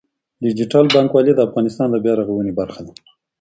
ډیجیټل بانکوالي د افغانستان د بیا رغونې برخه ده.